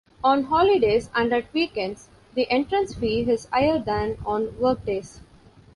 On holidays and at weekends the entrance fee is higher than on workdays.